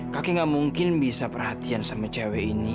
kaki gak mungkin bisa perhatian sama cewek ini